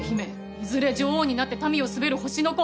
いずれ女王になって民を統べる星の子。